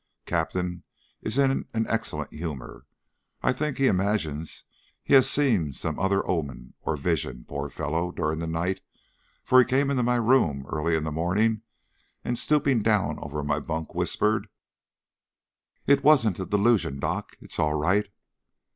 Captain is in an excellent humour; I think he imagines he has seen some other omen or vision, poor fellow, during the night, for he came into my room early in the morning, and stooping down over my bunk, whispered, "It wasn't a delusion, Doc; it's all right!"